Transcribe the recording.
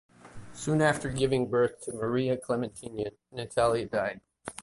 Soon after giving birth to Maria Klementyna, Natalia died.